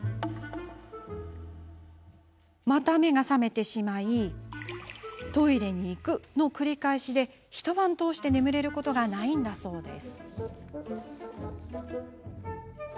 また、目が覚めてしまいトイレに行く、の繰り返しで一晩通して眠れることがないんだそうです。